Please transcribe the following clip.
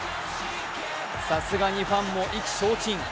さすがにファンも意気消沈。